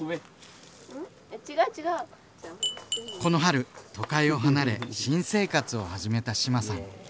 この春都会を離れ新生活を始めた志麻さん。